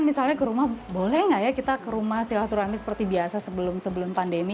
misalnya ke rumah boleh nggak ya kita ke rumah silaturahmi seperti biasa sebelum pandemi